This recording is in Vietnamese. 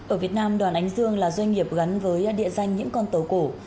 ở việt nam đoàn ánh dương là doanh nghiệp gắn với địa danh những con tàu cổ